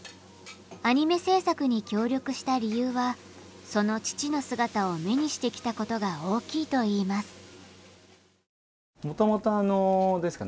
アニメ制作に協力した理由はその父の姿を目にしてきたことが大きいといいます。